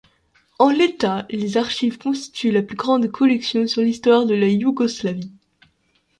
En l'état, les archives constituent la plus grande collection sur l'histoire de la Yougoslavie.